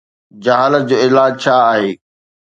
جهالت جو علاج ڇا آهي؟